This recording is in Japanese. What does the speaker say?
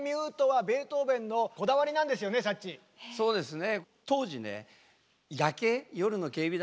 そうですね。